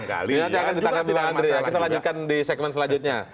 kita lanjutkan di segmen selanjutnya